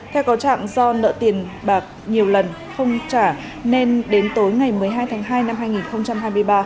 theo có trạng do nợ tiền bạc nhiều lần không trả nên đến tối ngày một mươi hai tháng hai năm hai nghìn hai mươi ba